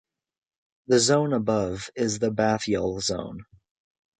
The zone above is the bathyal zone.